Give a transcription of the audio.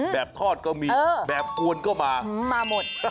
แบบทอดก็มีแบบอ้วนก็มามาหมดฮ่า